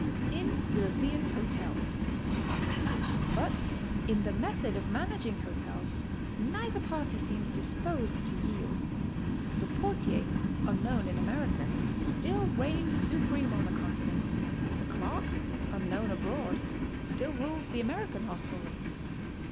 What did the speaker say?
IN EUROPEAN HOTELS. But in the method of managing hotels, neither party seems disposed to yield. The portier, unknown in America, still reigns supreme on the Continent; the clerk, unknown abroad, still rules the American hostelry.